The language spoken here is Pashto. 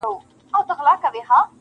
خالقه سترګي د رقیب مي سپېلني کې ورته-